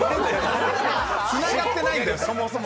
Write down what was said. つながってないんだよ、そもそも！